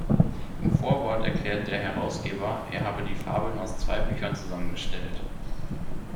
Im Vorwort erklärt der Herausgeber, er habe die Fabeln aus zwei Büchern zusammengestellt.